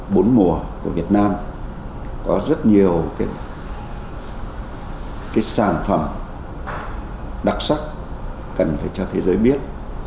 trong bốn mùa của việt nam có rất nhiều sản phẩm đặc sắc cần phải cho thế giới biết